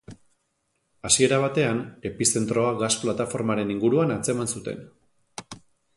Hasiera batean, epizentroa gas plataformaren inguruan antzeman zuten.